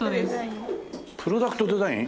プロダクトです。